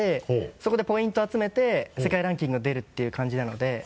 そこでポイント集めて世界ランキング出るっていう感じなので。